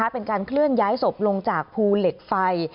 เป็นการเคลื่อนย้ายศพลงจากภูเหล็กไฟ